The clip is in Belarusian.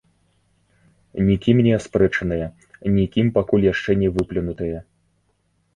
Нікім не аспрэчаныя, нікім пакуль яшчэ не выплюнутыя.